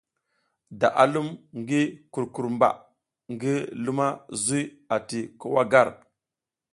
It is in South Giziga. Da a lum gi kurkur mba ngi luma zuy ati ko wa gar.